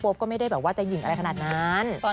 ก็ไม่ได้แบบว่าจะหญิงอะไรขนาดนั้น